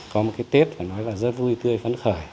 có một cái tết phải nói là rất vui tươi phấn khởi